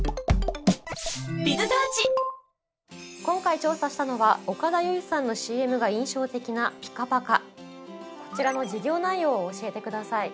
今回調査したのは岡田結実さんのＣＭが印象的なピカパカこちらの事業内容を教えてください。